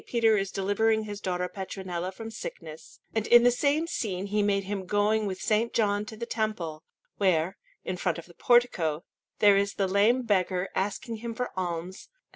Peter is delivering his daughter Petronilla from sickness; and in the same scene he made him going with S. John to the Temple, where, in front of the portico, there is the lame beggar asking him for alms, and S.